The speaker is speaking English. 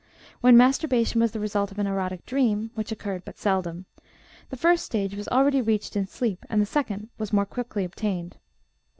When masturbation was the result of an erotic dream (which occurred but seldom), the first stage was already reached in sleep, and the second was more quickly obtained.